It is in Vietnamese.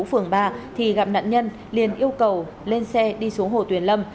phường ba thì gặp nạn nhân liền yêu cầu lên xe đi xuống hồ tuyền lâm